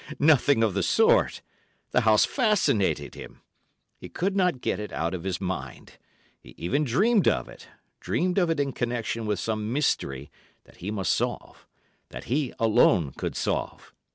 Nothing of the sort. The house fascinated him. He could not get it out of his mind; he even dreamed of it; dreamed of it in connection with some mystery that he must solve—that he alone could solve.